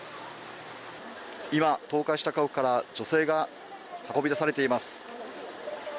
今、倒壊した家屋から女性が運び出されています。